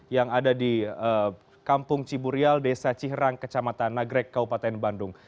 yang ada di kampung ciburial desa ciherang kecamatan nagrek kabupaten bandung